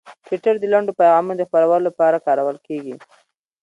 ټویټر د لنډو پیغامونو د خپرولو لپاره کارول کېږي.